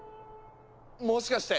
もしかして。